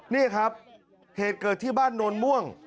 นี่ครับเหตุเกิดที่บ้านโนนม่วง